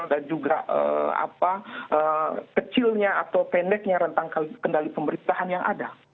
juga kecilnya atau pendeknya rentang kendali pemerintahan yang ada